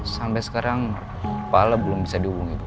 sampai sekarang pak ale belum bisa dihubungi bu